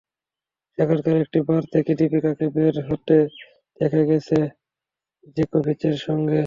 সেখানকার একটি বার থেকে দীপিকাকে বের হতে দেখা গেছে জোকোভিচের সঙ্গে।